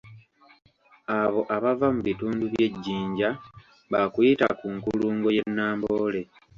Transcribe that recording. Abo abava mu bitundu by'e Jinja baakuyita ku nkulungo y'e Namboole